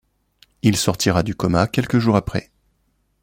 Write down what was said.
Il sortira du coma quelques jours après.